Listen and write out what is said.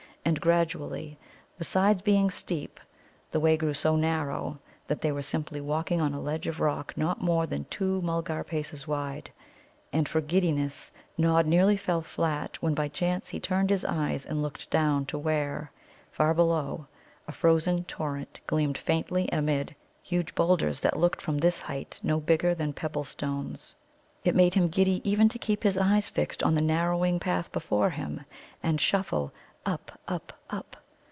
And gradually, besides being steep, the way grew so narrow that they were simply walking on a ledge of rock not more than two Mulgar paces wide. And for giddiness Nod nearly fell flat when by chance he turned his eyes and looked down to where, far below, a frozen torrent gleamed faintly amid huge boulders that looked from this height no bigger than pebble stones. It made him giddy even to keep his eyes fixed on the narrowing path before him, and shuffle up, up, up.